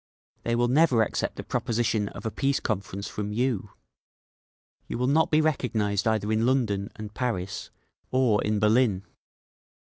They will never accept the proposition of a peace conference from you. You will not be recognised either in London and Paris, or in Berlin….